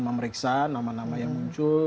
memeriksa nama nama yang muncul